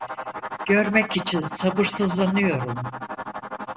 Görmek için sabırsızlanıyorum.